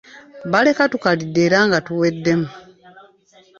Baleka tukalidde era nga tuwedemu.